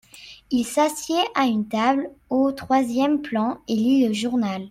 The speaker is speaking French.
Il s’assied à une table au troisième plan et lit le journal.